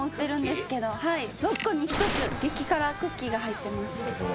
６個に１つ激辛クッキーが入ってます。